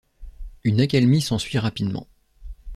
Une accalmie s'ensuit rapidement.